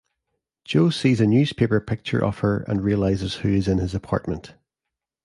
Joe sees a newspaper picture of her and realizes who is in his apartment.